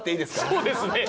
そうですね。